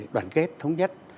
đoàn kết thống nhất